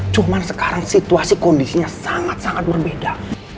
cuma sekarang situasi kondisinya sangat sangat berbeda